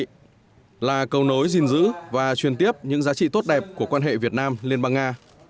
đây là cầu nối gìn giữ và truyền tiếp những giá trị tốt đẹp của quan hệ việt nam liên bang nga